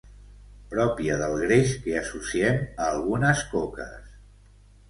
Pròpia del greix que associem a algunes coques.